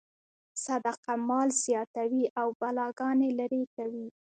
صدقه مال زیاتوي او بلاګانې لرې کوي.